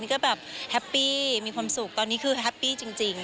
ก็แบบแฮปปี้มีความสุขตอนนี้คือแฮปปี้จริง